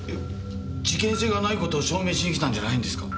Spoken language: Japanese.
事件性がない事を証明しに来たんじゃないんですか？